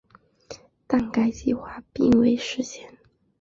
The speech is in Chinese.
但该计划并未实现。